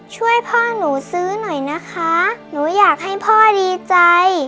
ช่วยพ่อหนูซื้อหน่อยนะคะหนูอยากให้พ่อดีใจ